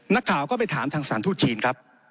นักข่าวก็ไปถามทางสารทูตจีนครับ